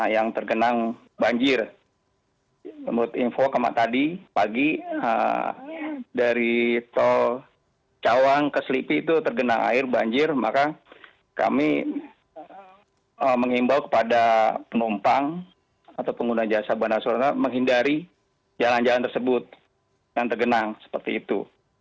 yang tergenang banjir menurut info tadi pagi dari tol cawang ke selipi itu tergenang air banjir maka kami mengimbau kepada penumpang atau pengguna jasa bandara soekarno hatta menghindari jalan jalan tersebut yang tergenang seperti itu